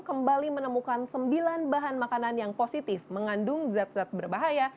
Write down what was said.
kembali menemukan sembilan bahan makanan yang positif mengandung zat zat berbahaya